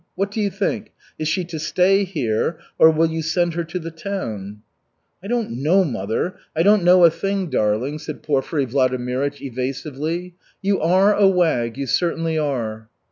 What do you think; is she to stay here, or will you send her to the town?" "I don't know, mother, I don't know a thing, darling," said Porfiry Vladimirych evasively. "You are a wag, you certainly are."